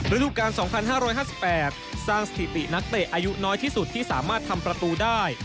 ฤดูการ๒๕๕๘สร้างสถิตินักเตะอายุน้อยที่สุดที่สามารถทำประตูได้